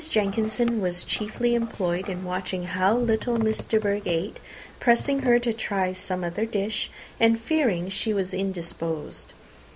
Jenkinson was chiefly employed in watching how little Miss de Bourgh ate, pressing her to try some other dish and fearing she was indisposed.